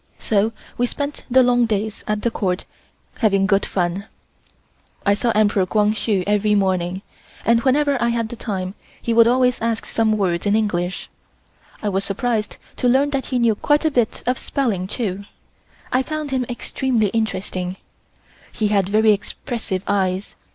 So we spent the long days at the Court having good fun. I saw Emperor Kwang Hsu every morning, and whenever I had the time he would always ask some words in English. I was surprised to learn that he knew quite a bit of spelling, too. I found him extremely interesting. He had very expressive eyes.